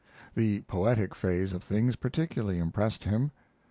The poetic phase of things particularly impressed him.